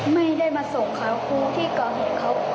ไม่ได้มาส่งค่ะครูที่ก่อเหตุเขา